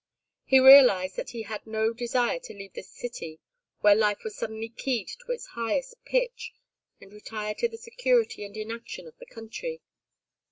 He realized that he had no desire to leave this city where life was suddenly keyed to its highest pitch, and retire to the security and inaction of the country.